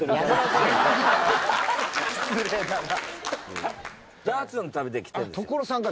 失礼だな！